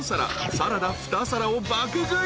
［サラダ２皿を爆食い。